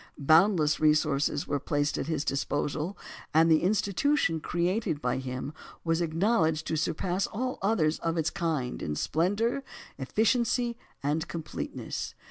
Boundless resources were placed at his disposal, and the institution created by him was acknowledged to surpass all others of its kind in splendour, efficiency, and completeness.